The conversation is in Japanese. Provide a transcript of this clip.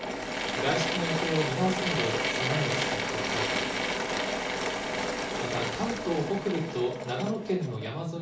外出の予定を見直すなど、備えを進めてください。